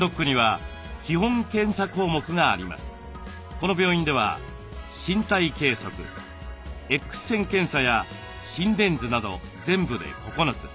この病院では身体計測Ｘ線検査や心電図など全部で９つ。